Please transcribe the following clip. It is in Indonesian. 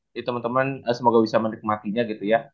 ya temen temen semoga bisa menikmatinya gitu ya